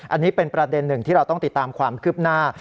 อันนี้เป็นประเด็นหนึ่งที่เราต้องติดตามความคืบหน้า